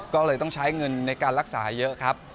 ก็เลยต้องใช้เงินในการรักษาเยอะครับ